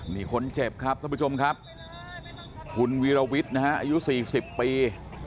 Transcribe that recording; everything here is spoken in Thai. นี่คนเจ็บครับท่านผู้ชมครับคุณวีรวิทย์นะฮะอายุ๔๐ปี